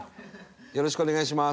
よろしくお願いします。